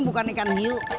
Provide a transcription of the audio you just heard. bukan ikan hiu